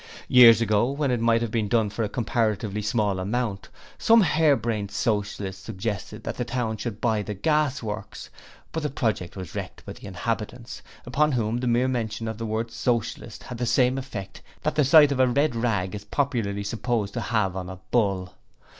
Years ago, when it might have been done for a comparatively small amount, some hare brained Socialists suggested that the town should buy the Gas Works, but the project was wrecked by the inhabitants, upon whom the mere mention of the word Socialist had the same effect that the sight of a red rag is popularly supposed to have on a bull.